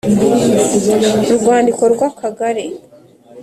Urwandiko rw Akagari